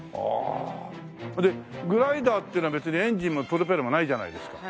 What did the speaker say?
でグライダーっていうのは別にエンジンもプロペラもないじゃないですか。